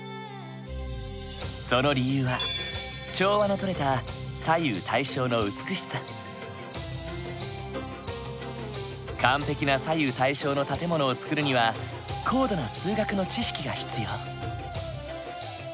その理由は調和のとれた完璧な左右対称の建物を造るには高度な数学の知識が必要。